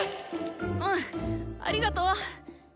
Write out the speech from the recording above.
うんありがとう！